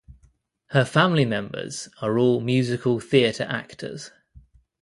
Her family members are all musical theatre actors.